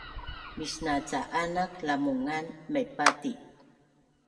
Misna ca’anak Lamungan maipati